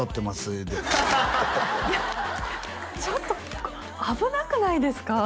言うてちょっと危なくないですか？